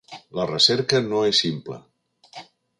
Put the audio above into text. La recerca no és simple.